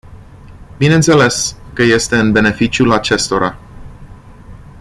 Bineînțeles că este în beneficiul acestora.